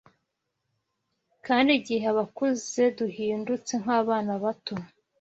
kandi igihe abakuze duhindutse “nk’abana bato”